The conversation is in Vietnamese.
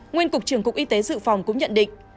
nguyên cục trưởng cục y tế dự phòng cũng nhận định